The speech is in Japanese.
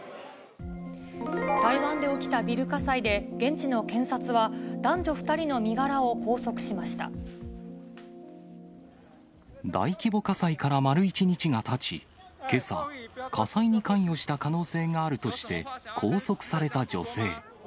台湾で起きたビル火災で、現地の検察は、大規模火災から丸１日がたち、けさ、火災に関与した可能性があるとして、拘束された女性。